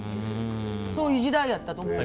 そういう時代やったと思う。